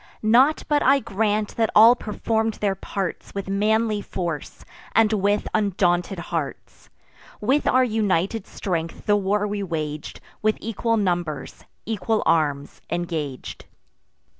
Not but I grant that all perform'd their parts With manly force, and with undaunted hearts: With our united strength the war we wag'd; With equal numbers, equal arms, engag'd.